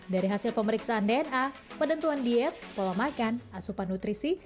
dari hasil pemeriksaan dna penentuan diet pola makan asupan nutrisi